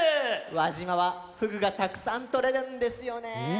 輪島はふぐがたくさんとれるんですよね。